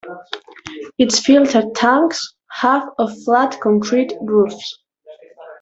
Its filter tanks have of flat concrete roofs.